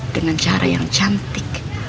dengan cara yang cantik